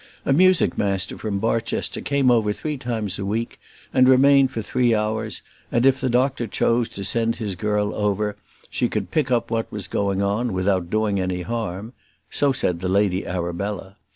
A music master from Barchester came over three times a week, and remained for three hours, and if the doctor chose to send his girl over, she could pick up what was going on without doing any harm. So said the Lady Arabella.